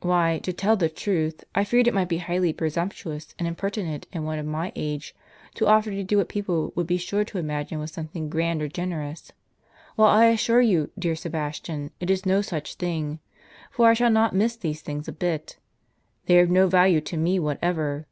"Why, to tell the truth, I feared it might be highly presumptuous and impertinent in one of my age to offer to do what people would be sure to imagine was something grand or generous ; while I assure you, dear Sebastian, it is no such thing. For I shall not miss these things a bit ; they are of no value to me whatever.